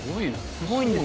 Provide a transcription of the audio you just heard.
すごいんですよ